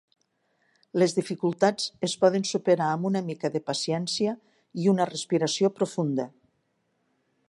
Les dificultats es poden superar amb una mica de paciència i una respiració profunda.